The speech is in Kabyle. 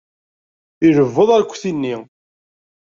Ilebbeḍ arekti-nni.